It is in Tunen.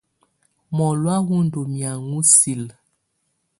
Mɔlɔ̀á wɔ ndɔ́ mɛaŋɔ silǝ.